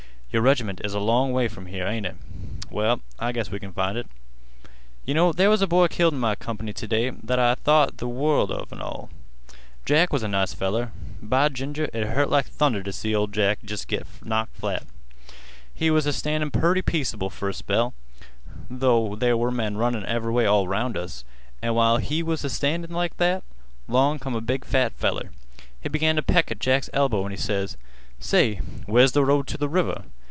Your reg'ment is a long way from here, ain't it? Well, I guess we can find it. Yeh know there was a boy killed in my comp'ny t' day that I thought th' world an' all of. Jack was a nice feller. By ginger, it hurt like thunder t' see ol' Jack jest git knocked flat. We was a standin' purty peaceable fer a spell, 'though there was men runnin' ev'ry way all 'round us, an' while we was a standin' like that, 'long come a big fat feller. He began t' peck at Jack's elbow, an' he ses: 'Say, where's th' road t' th' river?